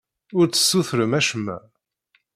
Ur d-tessutrem acemma.